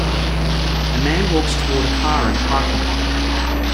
A man walks toward a car in a parking lot.